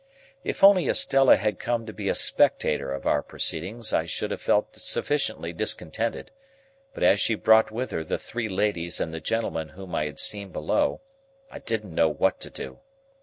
If only Estella had come to be a spectator of our proceedings, I should have felt sufficiently discontented; but as she brought with her the three ladies and the gentleman whom I had seen below, I didn't know what to do.